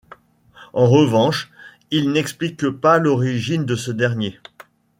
En revanche, ils n'expliquent pas l'origine de ce dernier.